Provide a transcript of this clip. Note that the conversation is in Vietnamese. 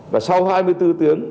và sau hai mươi bốn tiếng